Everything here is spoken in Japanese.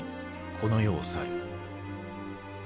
この世を去る。